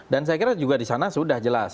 dan saya kira disana sudah jelas